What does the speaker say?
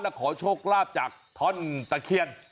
และขอโชคลาภจากท่อนตะเคียน